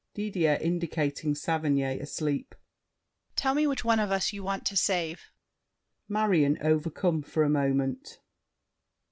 DIDIER (indicating Saverny, asleep). Tell me which one of us you want to save. MARION (overcome for a moment).